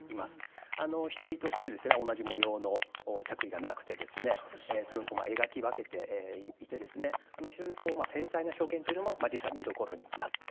一人として同じ模様の着衣がなくてそれを描き分けていて非常に繊細な表現というのも実は見どころになっています。